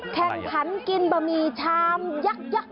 แขกทันกินบะหมี่ชามยักยัก